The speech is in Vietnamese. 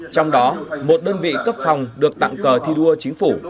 trong đó một đơn vị cấp phòng được tặng cờ thi đua chính phủ